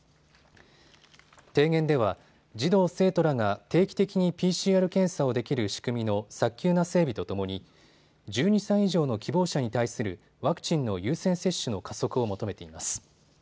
提言では児童・生徒らが定期的にＰＣＲ検査をできる仕組みの早急な整備とともに１２歳以上の希望者に対するワクチンの優先接種の加速を求めています。